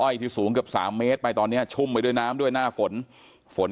ที่สูงเกือบสามเมตรไปตอนเนี้ยชุ่มไปด้วยน้ำด้วยหน้าฝนฝน